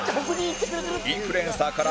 インフルエンサーから